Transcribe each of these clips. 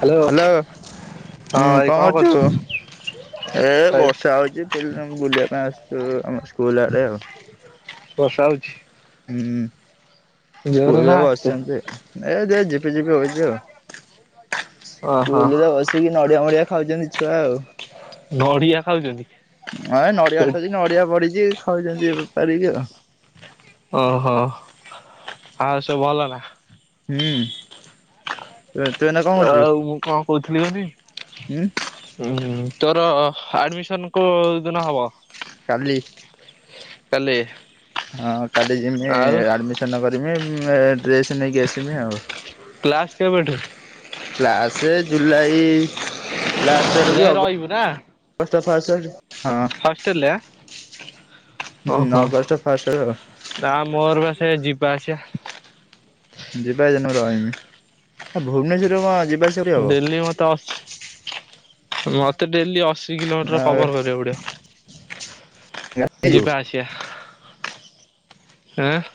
Hello ହଁ hello, ହୁଁ ଭାଇ କଣ କରୁଚୁ? କରୁଛୁ? ଏ ଭାଇ ବର୍ଷା ହଉଚି ପିଲାଙ୍କୁ ବୁଲିଆ ପାଇଁ ଆସ୍ଚୁ ଆମ ସ୍କୁଲ୍ ଆଡ଼େ ଆଉ। ବର୍ଷା ହଉଛି? ହୁଁ, ଜୋରେ ନା ସ୍କୁଲରେ ଆସ୍ତେ? ବସିଚନ୍ତି। ଏ ଯେ ଝିପି-ଝିପି ହଉଚି ଆଉ, ଓହୋ ସ୍କୁଲ୍ ରେ ବସି କି ନଡ଼ିଆ ମଡ଼ିଆ ଖାଉଚନ୍ତି ଛୁଆ ଆଉ। ନଡିଆ ଖାଉଚନ୍ତି? ହଁ ଏ ନଡିଆ ଗଛ ଅଛି, ନଡିଆ ପଡିଚି ଖାଉଚନ୍ତି [unintelligible] ପାରିକି ଆଉ। ଓହୋ, ଆଉ ସବୁ ଭଲ ନା? ହୁଁ। ତୁ-ତୁ ଏଇନା [unintelligible] ଆଉ ମୁଁ କଣ କହୁଥିଲି ହୁଁ? [unintelligible] ଉଁ ତୋର ଆଡ୍ମିସନ୍ କୋଉଦିନ ହବ? କାଲି କାଲି ହଁ କାଲି ଆଉ [unintelligible] ଆଡ୍ମିସନ [unintelligible] ଡ୍ରେସ୍ ନେଇକି [unintelligible] ଆଉ। କ୍ଲାସ୍ କେବେଠୁ? କ୍ଲାସେ ଜୁଲାଇ ଲାଷ୍ଟ ଆଡୁକୁ କି ଅଗ [unintelligible] ନା? ଗଷ୍ଟ ଫାଷ୍ଟ ହଷ୍ଟେଲରେ ଆଁ? ଓହୋ [unintelligible] ନା ମୋର ବା ସେ ଯିବା ଆସିବା ଯିବା [unintelligible] ମୁଁ [unintelligible] ଆ ଭୁବନେଶ୍ୱର ରୁ କଣ ଯିବା [unintelligible] ଡେଲି ମତେ [unintelligible] ମତେ ଡେଲି [unintelligible] ଆ କିଲୋମିଟର୍ କଭର୍ କରିଆକୁ ପଡ଼ିବ, ଗାଡି ନେଇଯିବୁ? ଯିବା ଆସି ଏଁ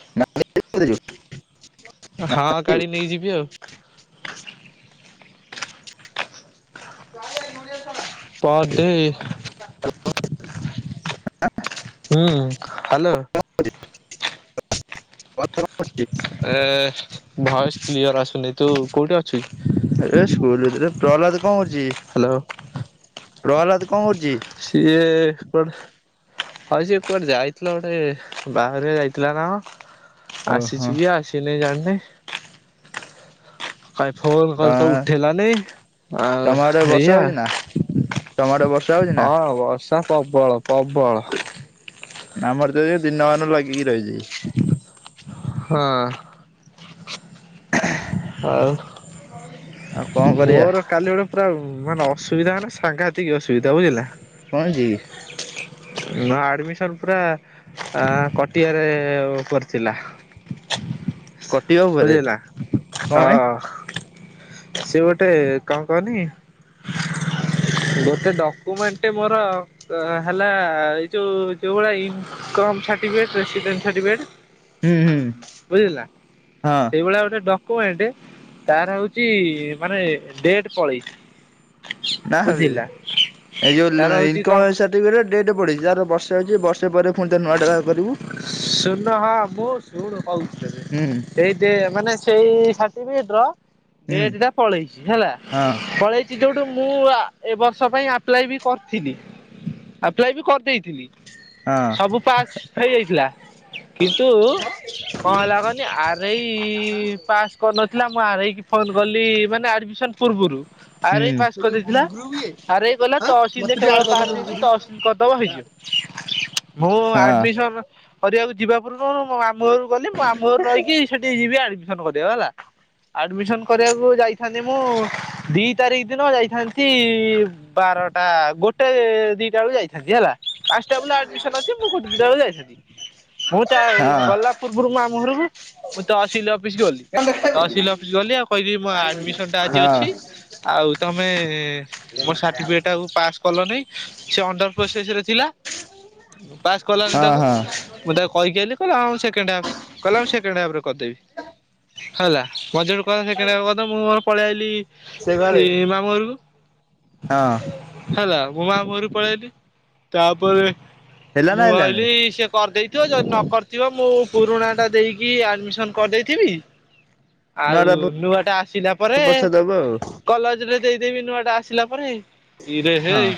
[unintelligible] ହଁ ଗାଡି ନେଇ ଯିବି ଆଉ। [inaudible] ପର୍ ଡେ [unintelligible] ହୁଁ, ହାଲୋ। ଅଛି [unintelligible] ଏ ଭଏସ କ୍ଲିୟର ଆସୁନି ତୁ କୋଉଠି ଅଛୁ? ଏ ସ୍କୁଲ ଭିତରେ ପ୍ରହ୍ଲାଦ କଣ କରୁଛି? ହ୍ୟାଲୋ। ପ୍ରହ୍ଲାଦ କଣ କରୁଛି? ସିଏ ହଉ ସେ କୁଆଡେ ଯାଇଥିଲ ଗୋଟେ ବାହାଘରିଆ ଯାଇଥିଲା ନା କଣ? ଓହୋ ଆସିଛି କି ଆସିନି ଜାଣିନି। କାଇ ଫୋନ କଲ ତ ଉଠେଇଲାନି ଆଉ ତମ ଆଡେ ବର୍ଷା ଏଇଆ। ହଉଛି ନା ତମ ଆଡେ ବର୍ଷା ହଉଛି ନା? ହଁ ବର୍ଷା ପ୍ରବଳ ପ୍ରବଳ। ଆମର [unintelligible] ଦିନମାନରୁ ଲଗିକି ରହିଛି। ହଁ। ଆଉ ଆଉ କଣ କରିବା ମୋର କାଲି ଗୋଟେ ପୁରା ମାନେ ଅସୁବିଧା ହେଲା ନା ସାଙ୍ଘାତିକ ଅସୁବିଧା ବୁଝିଲୁ ନା। କଣ ହେଇଛି କି? ନ ଆଡମିସନ ପୁରା କଟିଆରେ ଉପରେ କରିଥିଲି। କଟିବ ପରେ ବୁଝିଲା କଣ ନା ପାଇଁ ହଁ। ସିଏ ଗୋଟେ କଣ କହନି ଗୋଟେ ଡକମେଣ୍ଟ ମୋର ହେଲା ଏଇ ଯଉ ଯୋଉ ଭଳି ଇନ୍କମ ସାର୍ଟିଫିକେଟ ରେସିଦେଣ୍ଟ ସାର୍ଟିଫିକେଟ ହୁଁ ହୁଁ ବୁଝିଲୁ ନା ହଁ ସେଇଭଳିଆ ଗୋଟେ ଡ କଣ ଏଠେ ତାର ହୋଉଛି ମାନେ ଡେଟ [unintelligible] କାହାର ବେ ବୁଝିଲା ଏଇ ଯୋଉ ତାର ଇନ ହଉଛି କଣ [unintelligible] [unintelligible] ଡେଟ୍ ବଢ଼ିଛି ତାର ବର୍ଷେ ହେଉଛି ବର୍ଷ ପରେ ପୁଣି ତ ନୂଆ ଟା [unintelligible] ଶୁଣୁ [unintelligible] ହଁ ଶୁଣୁ କହୁଚି ହୁଁ ତତେ ଏଇ ଯେ ସେଇ ମାନେ ସେଇ ସାର୍ଟିଫିକେଟ ର ହୁଁ ଡେଟ ଟା ପଳେଇଛି ହେଲା ହଁ ପଳେଇ ଯୋଉଠୁ ମୁଁ ଏ ବର୍ଷ ପାଇଁ ଆପ୍ଲାଏ ବି କରିଥିଲି ଆପ୍ଲାଏ ବି କରିଦେଇଥିଲି। ହଁ। ସବୁ ପାସ୍ ହେଇଯାଇଥିଲା କିନ୍ତୁ କଣ ହେଲା କହନି ଆର ଇ ପାସ୍ କରିନଥିଲା ମୁଁ ଆର ଇ କି ଫୋନ କଲି ମାନେ ଆଡମିସନ ପୂର୍ବରୁ ଆର ଏଇ ହୁଁ। ପାସ୍ ସେ ଯୋଉ କରିଦେଇଥିଲା, ଘୁଗୁରୁ ଇଏ ଆର ଏଇ କଲା ଆଁ ମତେ ତହସିଲରେ ଟିକେ କେବଳ ଆଡ କରିଦେ ପାସ୍ ହେଇନି ଘୁଗୁରୁ ହଁ ତହସିଲ କରିଦବ ହଁ ହେଇଯିବ। ମୁଁ ହଁ ଆଡମିସନ କରିବାକୁ ଯିବା ପୂର୍ବରୁ ମୋ ମାମୁଁ ଘରକୁ ଗଲି ମୁଁ ମାମୁଁ ଘରୁ ରହିକି ସେଠିକି ଯିବି ଆଡମିସନ କରିବାକୁ ହେଲା। ଆଡମିସନ କରିବାକୁ ଯାଇଥାନ୍ତି ମୁଁ ଦି ତାରିଖ ଦିନ ଯାଇଥାନ୍ତି ବାରଟା ଗୋଟେ ଦିଇଟା ବେଳକୁ ଯାଇଥାନ୍ତି ହେଲା। ପାଞ୍ଚଟା ବୋଲେ ଆଡମିସନ୍ ଅଛି ମୁଁ ଗୋଟେ ଦିଇଟା ବେଳକୁ ଯାଇଥାନ୍ତି। ମୁଁ ତା ହଁ ଗଲା ପୂର୍ବରୁ ମୁଁ ମାମୁଁ ଘରକୁ ମୁଁ ତହସିଲ ଅଫିସ ଗଲି। ତହସିଲ ଅଫିସ ଗଲି ଆଉ କହିଲି ମୋ ଆଡମିସନ ଟା ଆଜି ଅଛି ଆଉ ତମେ ଦେ ମୋ ସାର୍ଟିଫିକେଟା ପାସ୍ କଲନି ସେ ଅଣ୍ଡର ପ୍ରୋସେସରେ ଥିଲା। ପାସ୍ କଲନି ତାକୁ। ମୁଁ ତାକୁ କହିକି ଆଇଲି କହିଲା ହ ସେକଣ୍ଡ ହାପ୍ କହିଲା ସେକେଣ୍ଡ ହାଫରେ କରିଦେବି। ହେଲା ମତେ [unintelligible] କହିଲା ସେକେଣ୍ଡ ହାପ୍ କୁ କରିଦବ ମୁଁ ମୋର ପଳେଇ ଆଇଲି ମାମୁଁ ଘରକୁ। ହଁ। ହେଲା ମୁଁ ମାମୁଁ ଘରକୁ ପଳେଇଆଇଲି, ତାପରେ ହେଲା ନା ମୁଁ ହେଲାନି ଆଇଲି ସେଏ କରିଦେଇଥିବ ଯଦି ନ କରିଥିବ ମୁଁ ପୁରୁଣାଟା ଦେଇକି ଆଡ଼ମିସନ୍ କରିଦେଇଥିବି। ଆଉ ନୂଆଟା ନୂଆଟା ଆସିଲା ପରେ। ପଛେ ଦବୁ କଲେଜରେ ଦେଇଦେବି ନୂଆଟା ଆସିଲା ପରେ ଇରେ ଆଉ ହେଇ।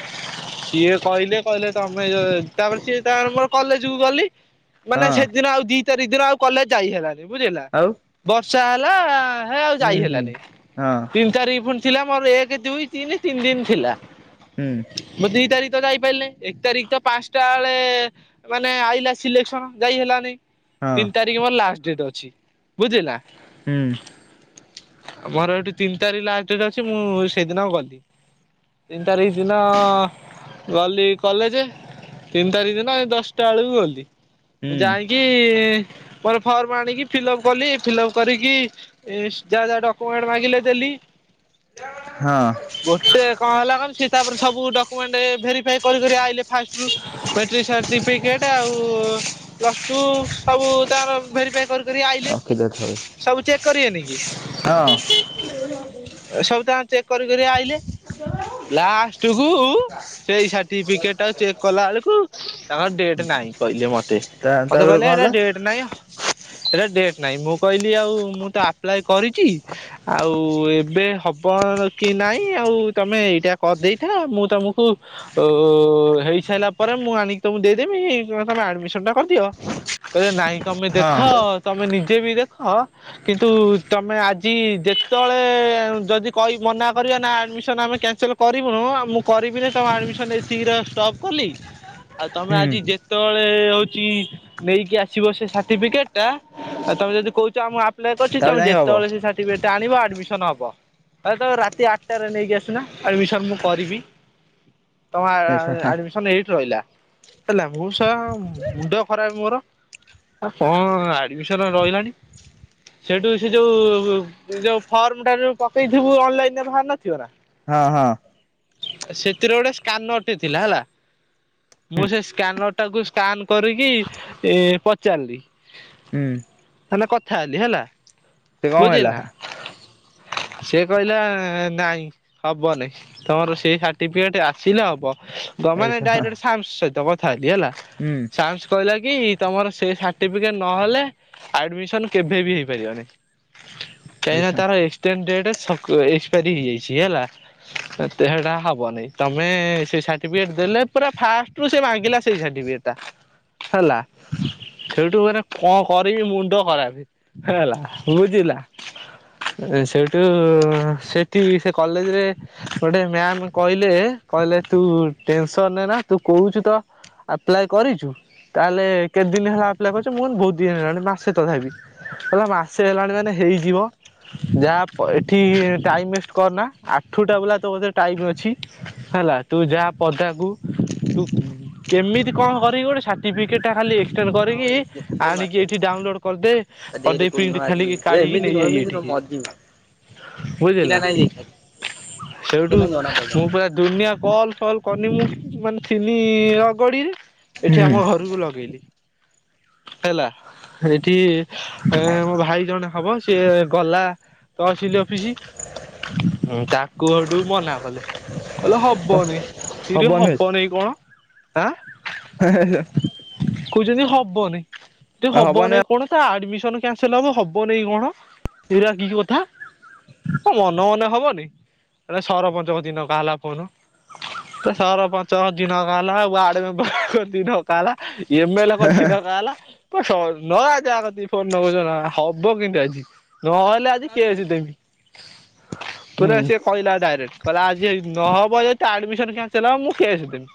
ସିଏ କହିଲେ କହିଲେ ତମେ ତାପରେ ସିଏ ତାପରେ ମୋର କଲେଜ କୁ ଗଲି। ମାନେ ହଁ ସେଦିନ ଆଉ ଦି ତାରିଖ ଦିନ ଆଉ କଲେଜ ଯାଇ ହେଲାନି ବୁଝିଲୁନା? ଆଉ ବର୍ଷା ହେଲା ହେ ଆଉ ହୁଁ ଯାଇ ହୁଁ। ହେଲାନି ହଁ ତିନି ତାରିଖ ଫୁଣି ଥିଲା ମୋର ଏକ ଦୁଇ ତିନି ତିନି ଦିନ ଥିଲା। ହୁଁ। ମୁଁ ଦି ତାରିଖ ତ ଯାଇ ପାଇଲି ନାହିଁ ଏକ ତାରିଖ ତ ପାଞ୍ଚଟା ଵେଳେ ମାନେ ଆଇଲା ସିଲେକ୍ସନ ଯାଇ ହେଲାନି ହଁ ତିନି ତାରିଖ ମୋର ଲାଷ୍ଟ ଡେଟ୍ ଅଛି ବୁଝିଲୁନା? ହୁଁ। ମୋର ଏଇଠି ତିନି ତାରିଖ ଲାଷ୍ଟ ଡେଟ୍ ଅଛି ମୁଁ ସେଇଦିନ ଗଲି। ତିନି ତାରିଖ ଦିନ ଗଲି କଲେଜ। ତିନି ତାରିଖ ଦିନ ଦଶଟା ବେଳକୁ ଗଲି। ମୁଁ ହୁଁ ଯାଇକି ମୋର ଫର୍ମ ଆଣିକି ଫିଲଅପ କଲି ଫିଲପ୍ କରିକି ଯାହା ଯାହା ଡକୁୁମେଣ୍ଟ ମାଗିଲେ ଦେଲି। ହଁ। ଗୋଟେ କଣ ହେଲା କହିଲୁ ସେ ତାପରେ ସବୁ ଡକୁମେଣ୍ଟ ଭେରିଫାଇ କରି କରି ଆଇଲେ। ଫାଷ୍ଟ ରୁ ମ୍ୟାଟ୍ରିକ୍ ସାର୍ଟି ଫିକେଟ ଆଉ ପ୍ଲସ ଟୁ ସବୁ ତାର ଭେରୀ [inaudible] ଚେକ୍ କରିବେନି କି ହଁ ସବୁତାଙ୍କ ଚେକ୍ କରି କରି ଆଇଲେ। ଲାଷ୍ଟ କୁ ସେଇ ସାର୍ଟିଫିକେଟ ଆଉ ଚେକ୍ କଲା ବେଳକୁ ତାଙ୍କର ଡେଟ୍ ନାଇଁ କହିଲେ ମତେ? ତା ମତେ ତାପରେ କହିଲେ କଣ ଏଇଟା ହେଲା? ଡେଟ୍ ନାଇଁ କହିଲେ ଡେଟ ନାଇଁ ମୁଁ କହିଲି ଆଉ ମୁଁ ତ ଆପ୍ଲାଏ କରିଛି। ଆଉ ଏବେ ହବ କି ନାଇଁ ଆଉ ତମେ ଏଇଟା କରିଦେଇଥା ମୁଁ ତମକୁ ଓ ହେଇସାରିଲା ପରେ ମୁଁ ଆଣିକି ତମକୁ ଦେଇଦେବି ତମେ ଆଡମିସନ ଟା କରିଦିଅ। କହିଲେ ନାଇଁ ତମେ ଦେଖ ହଁ ତମେ ନିଜେ ବି ଦେଖ। କିନ୍ତୁ ତମେ ଆଜି ଯେତେବେଳେ ଯଦି କହି ମନା କରିବ ନା ଆଡମିସନ ଆମେ କ୍ୟାନସଲ କରିବୁନୁ ମୁଁ କରିବିନି ତମ ଆଡମିସନ ଏତିକିରେ ଷ୍ଟପ୍ କଲି ଆଉ ତମେ ହୁଁ ଆଜି ଯେ ଯେତବେଳେ ହଉଛି ନେଇକି ଆସିବ ସେ ସାର୍ଟିଫିକେଟଟା ଆଉ ତମେ ଯଦି କହୁଛ ଆମ ଆପ୍ ଆପ୍ଲାଏ କରିଛି ତାପରେ ତମେ ଯାଇକି ହବ। ଯେତେବେଳେ ସେ ସାର୍ଟିଫିକେଟ୍ ଆଣିବ ଆଡମିସନ ହବ। ହଉ ତମେ ରାତି ଆଠଟାରେ ନେଇକି ଆସୁନା ଆଡମିସନ ମୁଁ କରିବି। ତମ ଆ ଆ ଆଡ ଆଡମିସନ ଏଇଠି ରହିଲା। ହେଲା ମୁ ସେୟା ମୁଣ୍ଡ ଖରାପ ମୋର ଆ କଣ ଆଡମିସନ ରହିଲାଣି। ସେଇଠୁ ସେ ଯୋଉ ଯୋଉ ଫର୍ମ ଟା ଯୋଉ ପକେଇଥିବୁ ଅନଲାଇନ ରେ ବାହାରି ନଥିବ ନା? ହଁ ହଁ। ସେଥିରେ ଗୋଟେ ସ୍କାନରଟେ ଥିଲା ହେଲା। ମୁଁ ସେ ସ୍କାନରଟାକୁ ସ୍କାନ କରିକି ଏ ପଚାରିଲି। ହୁଁ। ତାନେ କଥା ହେଲି ହେଲି ସେ କଣ ହେଲା ବୁଝିଲୁନା? ସେ କହିଲା ନାଇଁ ହବନାଇଁ। ତମର ସେଇ ସାର୍ଟିଫିକେଟ ଆସିଲେ ହବ ଏଇ ମାନେ ଶୁଣ ଡାଇରେକ୍ଟ ସାମ୍ସ ସହିତ କଥା ହେଲି ହେଲା। ହୁଁ। ତାକ୍ସ କହିଲା କି ତମର ସେ ସାର୍ଟିଫିକେଟ ନହେଲେ। ଆଡମିସନ କେବେ ବି ହେଇପାରିବନି। ଏଇ କାହିଁକିନା ଶୁଣ ତାର ଏସ ତେ ଡେନେସେ ସକୂଅ ଏକ୍ସେପାରି ହେଇଯାଇଛି ହେଲା। ତେଢା ହବନି ତମେ ସେ ସାର୍ଟିଫିକେଟେ ଦେଲେ ପୁରା ଫାଷ୍ଟ ତୁ ସେ ମାଗିଲା ସେଇ ସାଟିବିକେ ଟା। ହେଲା। ସେଇଠୁ ବୁରା କ କରିବି ମୁଣ୍ଡ ଖରାପେ। ହେହେଲା ବୁଝିଲୁନାଁ। ସେଇଠୁ ସେଠି ସେ କଲେଜେ ରେ ଗୋଟେ ମ୍ୟାାମ କହିଲେ କହିଲେ ତୁ ଟେନସନ ନା ତୁ କହୁଛୁ ତ ଆପ୍ଲାଏ କରିଛୁ। ତାହେଲେ କେତେ ଦିନି ହେଲା ଆପ୍ଲାଏ କରିଛୁ ମୁଁ କହିନି ବହୁତୁ ଦିନ ହେଲାଣି ମାସେ ତଥା ବି। କହିଲା ମାସେ ହେଲାଣି ମାନେ ହେଇଯିବ। ଯାହା ପ ଏଠି ଟାଇମି ୱେଷ୍ଟେ କରନା। ଆଠୁଟା ବଲା ତୋ କତିରେ ଟାଇମି ଅଛି। ହେଲା। ତୁ ଯାହା ପଦାକୁ। ତୁ କେମିତି କଣ କରିବି ଗୋଟେ ସାର୍ଟିଫିକେଟେ ଟା ଖାଲି ଏକେଚେସେ କରିକି କି। ଆଣିକି ଏଇଠି ଡାଉନଲୋଡ୍ କରିଦେ। ତା ଡେଟେ କରିଦେଇ କୋଉ ପ୍ରିଣ୍ଟ ଦିନ ଖାଲି ଆଜି। କାଢିକି ଏମିତି ନୁହଁ ନେଇଆଇ ଏମିତି ନୁହଁ ଏଠିକି ମଜିମି। ବୁଝିଲୁନା ଫକୀନା ନାଇଁ ବେ [unintelligible] ସେଇଠୁ ମୁଁ ପାଇଁ ଦୁନିଆ କଲ୍ ଫଲ୍ କନି ମୁଁ। ମାନେ ଥିଲି ରଗଡିରେ। ଏଠି ଆମ ହୁଁ। ଘରକୁ ଲଗେଇଲି। ହେଲା ଏଠି ହେ ମୋ ଭାଇ ଜଣେ ହବ ସିଏ ଗଲା। ତ ସିଲି ଅଫିସି। ହଁ ତାକୁ ହେଟୁ ମନା କଲେ। କଇଁଲେ ହବନି। ଇରେ ହବନି କଣ? ଆଁ। ହେଁ ହେଁ। କହୁଛନ୍ତି ହବନି। ଇ ହବନି ହବନିଁ କ ଆଡମିସନ କ୍ୟାନସଲ ହବ ହବନେଇଁ କଣ? ଏଗୁରା କି କଥା। ମନେ ମନେ ହବନି। ସରପଞ୍ଚଙ୍କ ଦିନ କା ହେଲା ପୁରୋଅ ତ ସରପଞ୍ଚ ଦିନକା ହେଲା ୱାର୍ଡ ମେମ୍ବର ଦିନକ ତାଲା। ଏମେଲେ କଛି ଡକା ହେଲା। ତ ସର ଲଗାକ ଯାହାକଟିକି ଫୋନ ନଗଉଛ ଲଗା ହବ କିନ୍ତୁ ଆଜି। ନହେଲେ ଆଜି କେଏସେ ଦେବି। ହୁଁ ପୁରା ଅସିବାକୁ। କହିଲା ଡାଇରେକ୍ଟ। କହିଲା ଆଜି ଆଇଚୁ ହଁ ପ ଯଦି ଆଡମିସନ କ୍ୟନ୍ସଲ ହବ ମୁଁ କେଏସେ ଦେମି।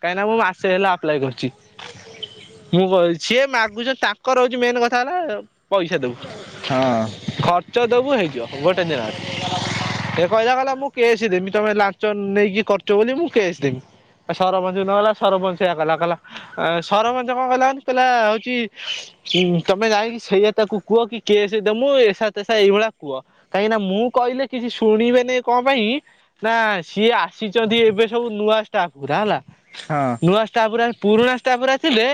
କାହିଁକି ନା ମୁଁ ମାସେ ହେଲା ଆପ୍ଲାଏ କରିୁଛି। ମୁଁ କରିଛି ସିଏ ମାଗୁଛନ୍ତି ତାଙ୍କ ର ମେନେ କଥା ହେଲା। ପଇସା ଦବୁଚୁ ହଁ ଖ୍ ଚ ଦେବୁ ହେଇଯିବ ଗୋଟେ ଦିନରେ। ସେ କହିବା କଥା ମୁଁ କେସ୍ ଦେବି ତମେ ଲାଞ୍ଚ ନେଇକି କରଛ ବୋଲି ମୁଁ କେସ୍ ଦେବି। ସରପଞ୍ଚ ନ ହେଲା ସରପଞ୍ଚ ସେଇଆ କହିଲା କଲା କଲା ଅ ସରମଞ୍ଚ କ କହିଲା କନି କହିଲା ହଉଛି ଉଁ ତମେ ଯାଇକି ସେଇଆା ତାକୁ କୁହ କି କେଏସେ ଦମୁ ଏସା ତେସା ଏଇଭଳିଆ କୁହ। କାହିଁକି ନା ମୁଁ କହିଲେ କିଛି ଶୁଣିବେନି କ ପାଇଁ ନା ସିଏ ଆସିଛନ୍ତି ଏବେ ସବୁ ନୂଆ ଷ୍ଟାପ ପୁରା ହେଲା। ହଁ ନୂଆ ଷ୍ଟାପ ପୁରା ପୁରୁଣା ଷ୍ଟାପ ପୁରା ଥିଲେ।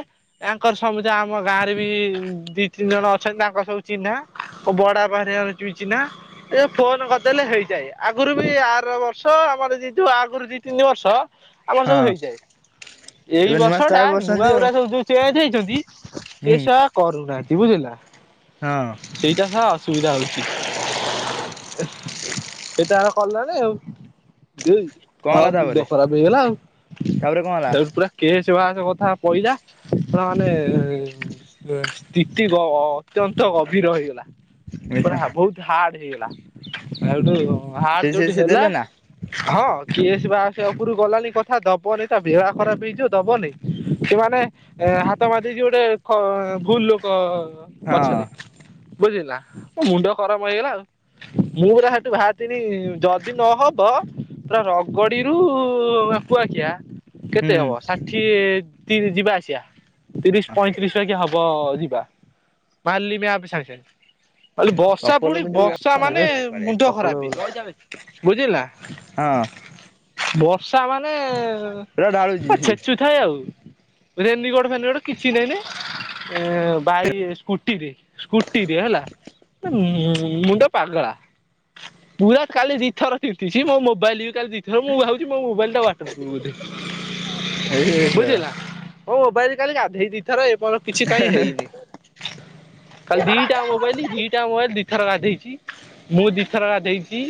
ତାଙ୍କର ସମୁଯା ଆମ ଗାଁରେ ବି ଦି ତିନି ଜଣ ଅଛନ୍ତି ତାଙ୍କ ସବୁ ଚିହ୍ନା। ମୋ ବଡା ବାପା ଘରିକା ଙ୍କ ର ବି ଚିହ୍ନା। ସେ ଫୋନ କରିଦେଲେ ହେଇଯାଏ ଆଗରୁ ବି ଆର ବର୍ଷ ଆମର ଯେ ଯଉ ଆଗରୁ ଦି ତିନି ବର୍ଷ ଆମର ହଁ ସବୁ ହେଇଯାଏ। ଏବେ ଏଇ ନୂଆ ବର୍ଷ ଟା ଷ୍ଟାଫ୍ ବସିଛନ୍ତି ଆଉ ନୂଆଗୁରା କ ସବୁ ଯୋଉ ଚେଞ୍ଜ ହେଇଛନ୍ତି ସେ ହୁଁ ଶଳା କରୁନାହାନ୍ତି ବୁଝିହେଲା? ହଁ। ସେଇଟା ଶଳା ଅସୁବିଧା ହଉଛି। ଏ ଏଇଟା ଆଗ କଲନି ଆଉ। ଦେଇ କଣ ଆଉ ହେଲା ତାପରେ ମୁଣ୍ଡ ଖରାପ ହେଇଗଲା ତାପରେ କଣ ଆଉ ପୁରା କେସ୍ ବାସ କଥା ପଇଲା ପୁରା ମାନେ ସ୍ଥିତି ଅତ୍ୟନ୍ତ ଗଭୀର ହେଇଗଲା ହେଲା ପୁରା ବହୁତ ହାର୍ଡ ହେଇଗଲା ସେଇଠୁ ସେ ହାର୍ଡ ସେ ଯୋଉଠି ସେ ହେଲା ଦେଲେ ନା ହଁ କେସ୍ ବାସ୍ ଉପରୁ ଗଲାନି କଥା ଦବନି ତା ବେଳା ଖରାପ ହେଇଯିବ ଦବନି। ସେମାନେ ହାତ ମାଧିକି ଗୋଟେ ଭୁଲ ଲୋକ ହଁ ପଛରେ। ବୁଝିଲୁ ନା ମୋ ମୁଣ୍ଡ ଖରମ ହେଇଗଲା ଆଉ। ମୁଁ ପୁରା ସେଠୁ ବାହାରିଥିନି ଯଦି ନହବ ପୁରା ରଗଡିରୁ ଆପୁଆଖିଆ କେତେ ହୁଁ ହବ ଷାଠିଏ ଯିବା ଆସିବା ତିରିଶ ପଇଁ [unintelligible] ହବ ଯିବା ବାହାରିଲି ମେ ଆପ ସାଙ୍ଗେ ସାଙ୍ଗେ। କାଲି ବର୍ଷା ଚପଲ ପୁଣି ବର୍ଷା ମାନେ ପିନ୍ଧିକି ମୁଣ୍ଡ ଚପଲ ଖରାପ। ବୁଝିଲୁନା? ହଁ। ବର୍ଷା ମାନେ ପୁରା ଢାଳୁଛି ପୁ ଛେଚୁ ଥାଏ ଆଉ ରେନିକୋଟ ଫେନିକୋଟ କିଛି ନେଇନି। ଏ ବାଇ ସ୍କୁଟି ରେ, ସ୍କୁଟି ରେ ହେଲା। ତା ମୁଣ୍ଡ ପାଗଳା। ପୁରା କାଲି ଦିଥର ଚିଡିଛି, ମୋ ମୋବାଇଲ ବି କାଲି ଦି ତ ମୁଁ ଭାବୁଛି ମୋ ମୋବାଇଲଟା [unintelligible] ବୋଲି ଶଳା ବୁଝିଲୁନା। ମୋ ମୋବାଇଲ କାଲି ଗାଧେଇ ଦି ଥର ଏପ କିଛି କାହିଁ ହେଇନି। କାଲି ଦିଟା ମୋବାଇଲ ଦିଟା ମୋବାଇଲ ଦିଥର ଗାଧେଇଛି। ମୁଁ ଦି ଥର ଗାଧେଇଛି।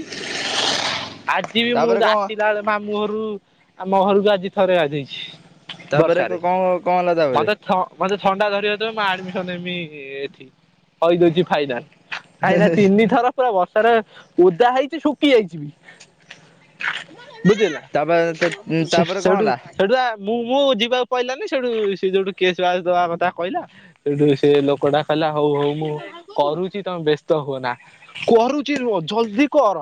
ଆଜି ବି ମୁଁ ତାପରେ କଣ ଆସିଲା ବେଳେ ମାମୁଁ ଘରୁ ଆମ ଘରକୁ ଆଜି ଥରେ ଗାଧେଇଛି ତାପରେ ବର୍ଷାରେ। କଣ କଣ ହେଲା ତାପରେ ମତେ ଥ ମତେ ଥଣ୍ଡା ଧରିିବ ଯେତେବେଳେ ମୁଁ ଆଡମିସନ ନେବି ଏଠି। କହି ଦଉଛି ଫାଇନାଲ କାହିଁନା ତିନି ଥର ପୁରା ବର୍ଷାରେ ଓଦା ହେଇଛି ଶୁଖି ଯାଇଛି ବି। ବୁଝିଲୁନା ତାପରେ ସେ ତାପରେ କଣ ସେଇଠୁ ହେଲା ସେଇଠୁ ଆ ମୁଁ ମୁଁ ଯିବାକୁ ପଇଲାନି ସେଇଠୁ ସେ ଯୋଉଠୁ କିଏ ଚୁଆସ ଦବା କଥା କହିଲା ଶୋଉଠୁ ସେ ଲୋକଟା କହିଲା ହଉ ହଉ ମୁଁ କରୁଚି। ତମେ ବ୍ୟସ୍ତ ହୁଅ ନା କରୁଛି ରୁହ ଜଲଦି କର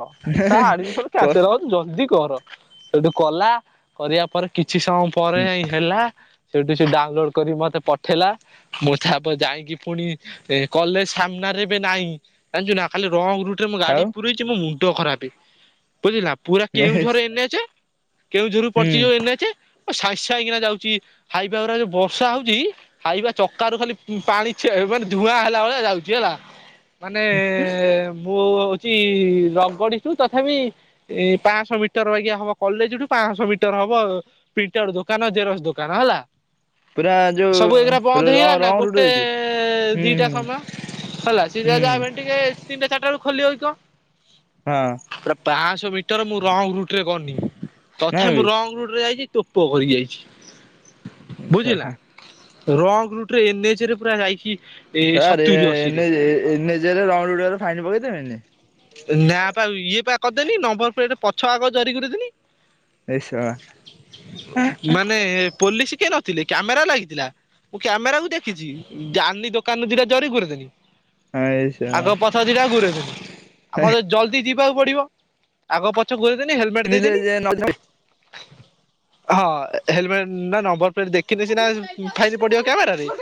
ତା ଆଡମିସନ କ୍ୟାନ୍ସେଲ ହଉ। ଜଲଦି କର ସେଇଠୁ କଲା କରିବା ପରେ କିଛି ସମୟ ପରେ ଯାଇ ହେଲା। ଶୋଉଠୁ ସେ ଡାଉନଲୋଡ କରି ମତେ ପଠେଇଲା। ମୁଁ ଠାପ ଯାଇକି ପୁଣି ଏ କଲେଜ ସାମ୍ନାରେ ବି ନାହିଁ। ଜାଣିଛୁ ନା ଖାଲି ରଙ୍ଗ ରୁଟରେ ମୋ ଗାଡି ଆଉ ପୁରଇଛି ମୋ ମୁଣ୍ଡ ଖରାପେ। ବୁଝିଲୁନା ପୁରା କେଉଁଝର ହୁଁ ଏନେ ଏଚେ, କେଉଁଝର ରୁ ପଡିଛି ଯୋଉ ଏନେ ଏଚେ। ସାଇଁ ସାଇଁ କିନା ଯାଉଛି ହାଇବା ଗୁରା ଯୋଉ ବ ବର୍ଷା ହଉଛି ହାଇବା ଚକା ରୁ ଖାଲି ପାଣି ଛେ ମାନେ ଧୂଆଁ ହେଲା ଭଳିଆ ଯାଉଛି ହେଲା। ମାନେ ମୁଁ ହଉଛି ରଗଡିଠୁ ତଥାପି ଏ ପାଁଶହ ମିଟର ବାଗିଆ ହବ କଲେଜଠୁ ପାଁଶହ ମିଟର ହବ ପ୍ରିଣ୍ଟର ଦୋକାନ ଜେରସ ଦୋକାନ ହେଲା। ପୁରା ସବୁ ଏଗୁଡା ବନ୍ଦ ଯୋଉ ହେଇଗଲା ନା ରଙ୍ଗ ରୁଟ ଗୋଟେ ହେଇଛୁ ହୁଁ ଦିଟା ହୁଁ ସମୟ ହେଲା ସିଏ ଯାହା ହୁଁ ବି ହେଲେ ଟିକେ ତିନିଟା ଚାରିଟା ବେଳ କୁ ଖୋଲିି ଯାଉଥିବା ହଁ ପୁର ପାଁଶହ ମିଟର ମୁଁ ରଙ୍ଗ ରୁଟରେ ଗଲି ନା ତଥାପି ମୁଁ ରଙ୍ଗ ରୁଟରେ ଯାଇଛି ତୋପ କରିକି ଆଇଛି ବୁଝି ହେଲା ବି ରଙ୍ଗ୍ ରୁଟରେ ଏନେଚ୍ ରେ ପୁରା ଯାଇକି ସାର ଏନେଚ ଏନେଚ ରଙ୍ଗ ରୁଟ୍ ରେ ଗଲେ ଫାଇନ ପକେଇ ଦେବେନି ନା ପା ଇଏ ପା କରିଦେନି ନମ୍ବର ପ୍ଲେଟ ପଛ ଆଗ ଜରି ଗୁଡେଇଦେଲି ଏ ଶା ମାନେ ପୋଲିସ କିଏ ନଥିଲେ କ୍ୟାମେରା ଲାଗିଥିଲା ମୁଁ କ୍ୟାମେରା କୁ ଦେଖିଛି ଦାନୀ ଦୋକାନରୁ ଦିଟା ଜରି ଗୁରେଇ ଦେଲି ଆଇଷା ପଛ ଦିଟା ଗୁରେଇ ଦେଲି। ଆ ମତେ ଜଲଦି ଯିବାକୁ ପଡିବ ଆଗ ପଛ ଘୁରେଇଦେନି ହେଲମେଟ ଦେଇଦେନି ଶଳା ହଁ ହେଲମେଟ ନା ନମ୍ବର ପ୍ଲେଟ୍ ଦେଖିନେ ସିନା ଫାଇନ୍ ପଡିବ କ୍ୟାମେର ରେ